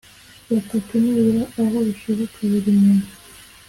batatu nibura aho bishoboka Buri muntu